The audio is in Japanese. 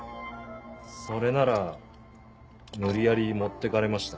それなら無理やり持ってかれました。